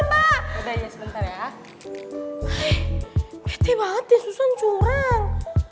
eh penting banget ya susan curang